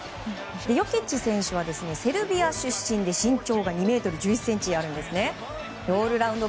ヨキッチ選手はセルビア出身で身長が２ｍ１１ｃｍありオールラウンド